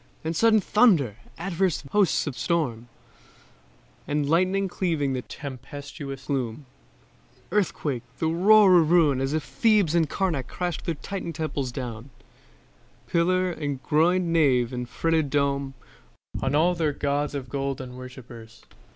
Then sudden thunder; adverse hosts of storm; And lightning cleaving the tempestuous gloom; Earthquake, and roar of ruin as if Thebes And Karnac crashed their Titan temples down, Pillar and groinéd nave and fretted dome, On all their gods of gold and worshippers.